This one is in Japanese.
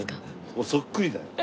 もうそっくりだよ。